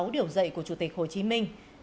sáu điều dạy của chủ tịch hồ chí minh